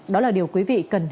đó là điều quý vị cần hiểu